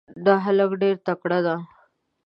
دا هلک ډېر تکړه ده.